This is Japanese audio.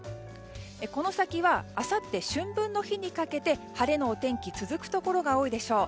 この先はあさって春分の日にかけて晴れのお天気続くところが多いでしょう。